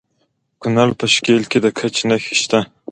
د کونړ په شیګل کې د ګچ نښې شته.